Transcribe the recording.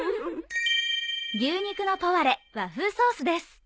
牛肉のポワレ和風ソースです。